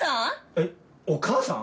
えっお母さん！？